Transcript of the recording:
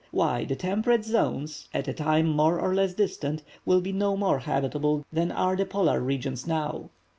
Why, the temperate zones, at a time more or less distant, will be no more habitable than are the Polar regions now.